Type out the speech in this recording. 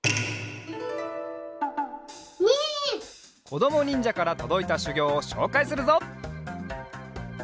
こどもにんじゃからとどいたしゅぎょうをしょうかいするぞ。